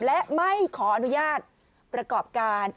และไม่ขออนุญาตประกอบการ